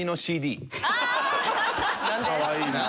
かわいいなあ。